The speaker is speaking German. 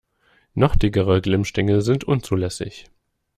Noch dickere Glimmstängel sind unzulässig.